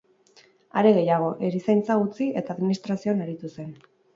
Are gehiago, erizaintza utzi eta administrazioan aritu zen.